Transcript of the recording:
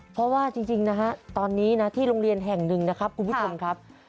เพราะว่าจริงนะฮะตอนนี้นะที่โรงเรียนแห่งหนึ่งนะครับคุณผู้ชมครับ